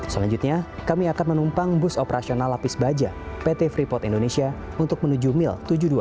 selanjutnya kami akan menumpang bus operasional lapis baja pt freeport indonesia untuk menuju mil tujuh puluh dua